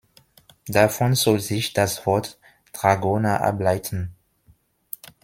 Davon soll sich das Wort "Dragoner" ableiten.